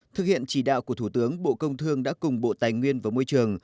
thực hiện chỉ đạo của thủ tướng bộ công thương đã cùng bộ tài nguyên và môi trường